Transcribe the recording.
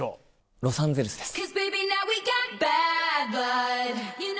ロサンゼルスです。